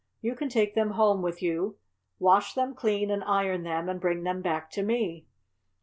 You can take them home with you, wash them clean and iron them and bring them back to me."